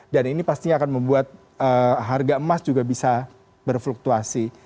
dan ini pasti akan membuat harga emas juga bisa berfluktuasi